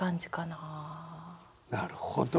なるほど！